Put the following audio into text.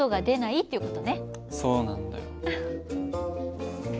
そうなんだよ。